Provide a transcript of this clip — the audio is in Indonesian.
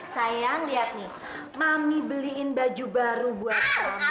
saya lihat nih mami beliin baju baru buat